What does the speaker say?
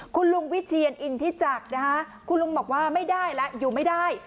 คุณลุงวิเชียนอินทิจักรนะคะคุณลุงบอกว่าไม่ได้แล้วอยู่ไม่ได้